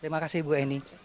terima kasih bu eni